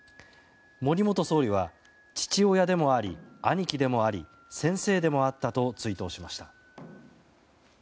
森元総理は父親でもあり、兄貴でもあり先生でもあったと追悼しました。